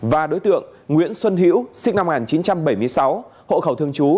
và đối tượng nguyễn xuân hữu sinh năm một nghìn chín trăm bảy mươi sáu hộ khẩu thường trú